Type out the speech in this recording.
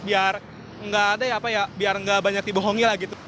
biar gak banyak dibohongi lah gitu